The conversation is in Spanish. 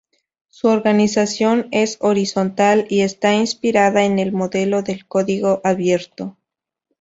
Su organización es horizontal y está inspirada en el modelo del código abierto.